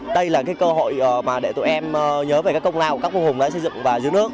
đây là cơ hội để tụi em nhớ về công lao của các vua hùng đã xây dựng và giữ nước